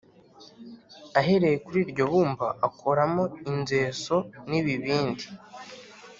ahereye kuri iryo bumba, akoramo inzeso n’ibibindi